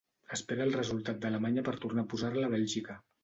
Espera el resultat d’Alemanya per tornar a posar-la a Bèlgica.